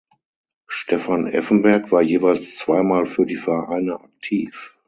Stefan Effenberg war jeweils zwei Mal für die Vereine aktiv.